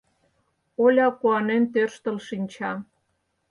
— Оля куанен тӧрштыл шинча